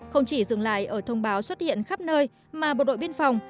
không chỉ dừng lại ở thông báo xuất hiện khắp nơi mà bộ đội biên phòng